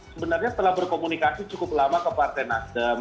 sebenarnya telah berkomunikasi cukup lama ke partai nasdem